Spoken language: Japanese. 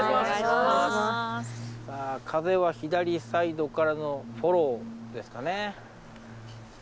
さあ風は左サイドからのフォローですかね。